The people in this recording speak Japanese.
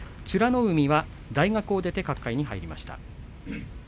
海は大学を出て角界に入りました。